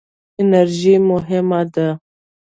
انرژي مهمه ده.